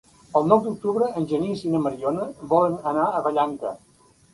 El nou d'octubre en Genís i na Mariona volen anar a Vallanca.